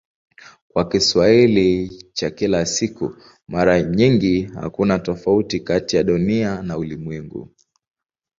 Kwa Kiswahili cha kila siku mara nyingi hakuna tofauti kati ya "Dunia" na "ulimwengu".